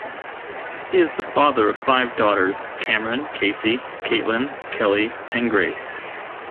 He is the father of five daughters; Cameron, Casey, Caitlin, Kelli and Grace.